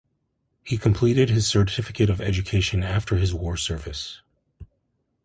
He completed his Certificate of Education after his war service.